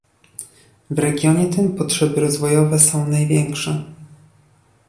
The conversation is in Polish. W regionie tym potrzeby rozwojowe są największe